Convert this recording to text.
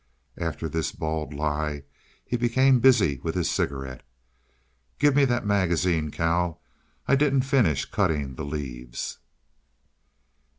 After this bald lie he became busy with his cigarette. "Give me that magazine, Cal. I didn't finish cutting the leaves."